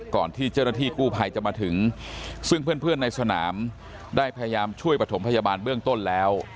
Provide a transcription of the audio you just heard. ก่อนที่เจ้าหน้าที่กู้ภัยจะมาถึงซึ่งเพื่อนในสนามได้พยายามช่วยประถมพยาบาลเบื้องต้นแล้ว